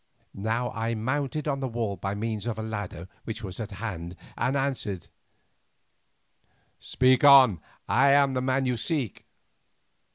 Now I mounted on the wall by means of a ladder which was at hand, and answered, "Speak on, I am the man you seek."